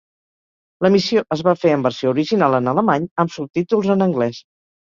L'emissió es va fer en versió original en alemany, amb subtítols en anglès.